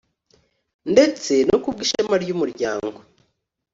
ndetse no kubwishema ry’umuryango.